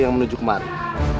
siapa dia kakek